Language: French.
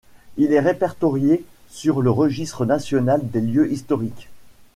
Il est répertorié sur le Registre national des lieux historiques.